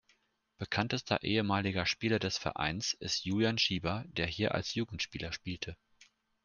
Bekanntester ehemaliger Spieler des Vereins ist Julian Schieber, der hier als Jugendspieler spielte.